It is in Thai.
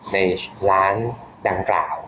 ในร้านดังกล่าว